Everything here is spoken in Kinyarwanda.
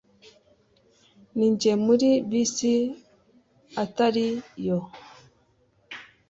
ninjiye muri bisi itari yo